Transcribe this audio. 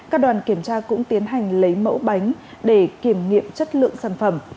các đoàn kiểm tra cũng tiến hành lấy mẫu bánh để kiểm nghiệm chất lượng sản phẩm